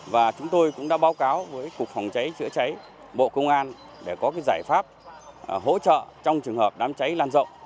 và chúng tôi cũng đã báo cáo với cục phòng cháy chữa cháy bộ công an để có giải pháp hỗ trợ trong trường hợp đám cháy lan rộng